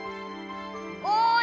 おい！